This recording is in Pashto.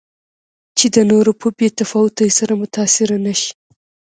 چې د نورو په بې تفاوتۍ سره متأثره نه شي.